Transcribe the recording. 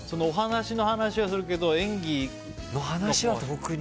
お話の話はするけど演技の話は。